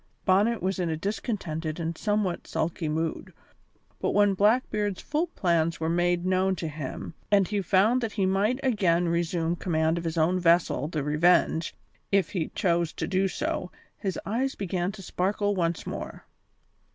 Bonnet was in a discontented and somewhat sulky mood, but when Blackbeard's full plans were made known to him and he found that he might again resume command of his own vessel, the Revenge, if he chose to do so, his eyes began to sparkle once more.